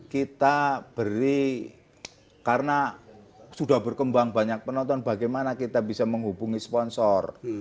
kita beri karena sudah berkembang banyak penonton bagaimana kita bisa menghubungi sponsor